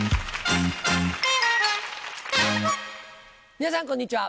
皆さんこんにちは。